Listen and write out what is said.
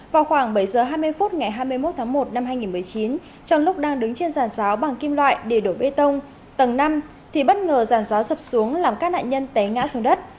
vào khoảng bảy giờ hai mươi phút ngày hai mươi một tháng một năm hai nghìn một mươi chín trong lúc đang đứng trên giàn giáo bằng kim loại để đổ bê tông tầng năm thì bất ngờ giàn gió sập xuống làm các nạn nhân té ngã xuống đất